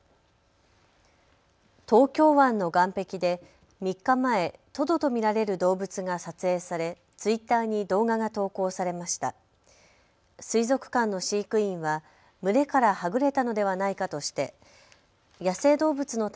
東京湾の岸壁で３日前トドと見られる動物が撮影されツイッターに動画が投稿されました。